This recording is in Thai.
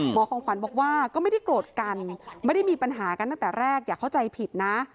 ของขวัญบอกว่าก็ไม่ได้โกรธกันไม่ได้มีปัญหากันตั้งแต่แรกอย่าเข้าใจผิดนะ